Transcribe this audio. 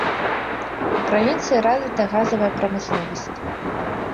У правінцыі развіта газавая прамысловасць.